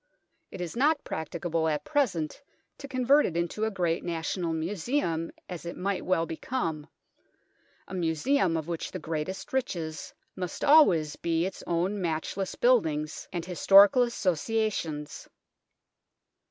It is not practicable at present to convert it into a great national museum, as it might well become a museum of which the greatest riches must always be its own matchless buildings and historical associations.